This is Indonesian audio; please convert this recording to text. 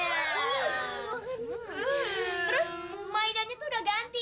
terus mainannya tuh udah ganti